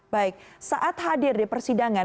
baik saat hadir di persidangan